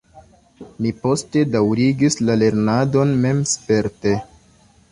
Mi poste daŭrigis la lernadon memsperte.